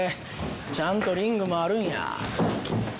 ちゃんとリングもあるんや。